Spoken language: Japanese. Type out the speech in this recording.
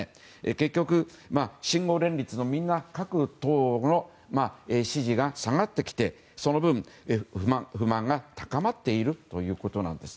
結局、信号連立のみんな各党の支持が下がってきてその分不満が高まっているということなんです。